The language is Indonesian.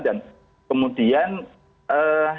dan kemudian sekarang bukaan itu